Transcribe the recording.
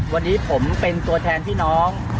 วันนี้ผมเป็นตัวแทนพี่น้อง